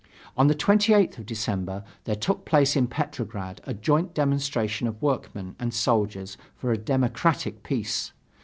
On the 28th of December there took place in Petrograd a joint demonstration of workmen and soldiers for a democratic peace.